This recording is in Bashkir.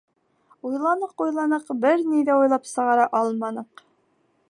Уйланыҡ, уйланыҡ, бер ни ҙә уйлап сығара алманыҡ.